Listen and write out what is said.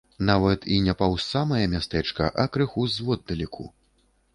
Нават і не паўз самае мястэчка, а крыху зводдалеку.